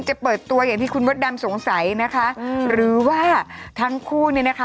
จะเปิดตัวอย่างที่คุณมดดำสงสัยนะคะหรือว่าทั้งคู่เนี่ยนะคะ